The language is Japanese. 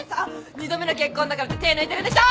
二度目の結婚だからって手抜いてるんでしょ！